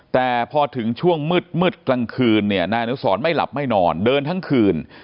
แต่พอถึงช่วงมืดกลางคืนเนี่ยนายอนุสรไม่หลับไม่นอนเดินทั้งคืน